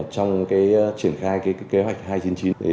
trong triển khai kế hoạch hai trăm chín mươi chín